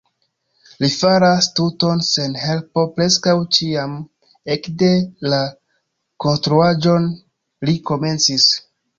Li faras tuton sen helpo preskaŭ ĉiam, ekde la konstruaĵon li komencis.